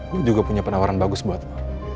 gue juga punya penawaran bagus buat lo